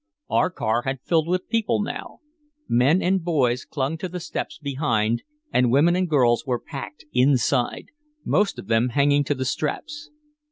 Our car had filled with people now. Men and boys clung to the steps behind and women and girls were packed inside, most of them hanging to the straps.